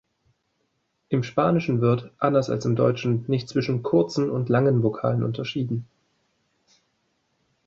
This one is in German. Im Spanischen wird, anders als im Deutschen, nicht zwischen "kurzen" und "langen" Vokalen unterschieden.